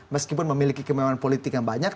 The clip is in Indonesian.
meskipun memiliki kemewahan politik yang banyak